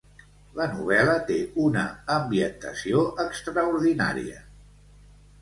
La novel·la té una ambientació extraordinària.